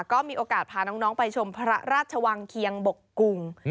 ก็มีโอกาสพาน้องไปชมพระราชวังเคียงบกกุง